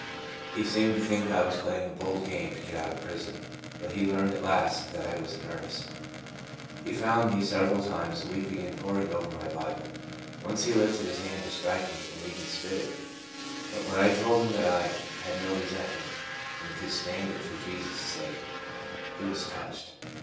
He seemed WORK IN THE PRISON. 33 (o think I was playing a bold game to get out of prison ; but he learned at last that I was in earnest. He found me several times weeping and poring over my Bible. Once he lifted his hand to strike me, and even spit at me; but when I told him that I had no resentment, and could stand it for Jesus' sake, he was touched.